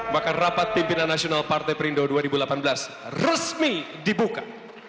maka rapat pimpinan nasional partai perindo dua ribu delapan belas resmi dibuka